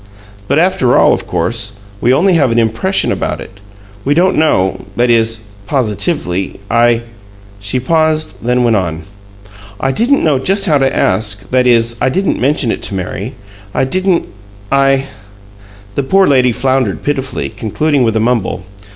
But, after all, of course, we only have an impression about it. We don't know that is, positively. I " She paused, then went on: "I didn't know just how to ask that is I didn't mention it to Mary. I didn't I " The poor lady floundered pitifully, concluding with a mumble.